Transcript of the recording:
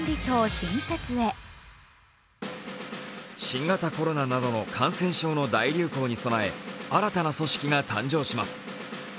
新型コロナなどの感染症の大流行に備え新たな組織が誕生します。